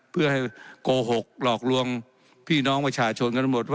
เพื่อให้โกหกหลอกลวงพี่น้องประชาชนกันหมดว่า